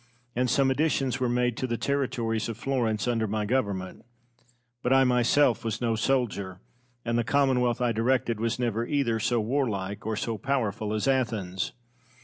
And some additions were made to the territories of Florence under my government; but I myself was no soldier, and the Commonwealth I directed was never either so warlike or so powerful as Athens.